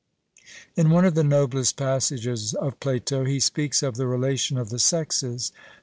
In one of the noblest passages of Plato, he speaks of the relation of the sexes.